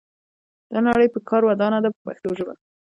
دا نړۍ په کار ودانه ده په پښتو ژبه.